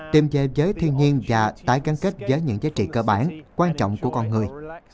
tìm về giới thiên nhiên và tái gắn kết với những giá trị cơ bản quan trọng của con người